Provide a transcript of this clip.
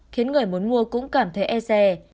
khiến người muốn mua cũng cảm thấy e rè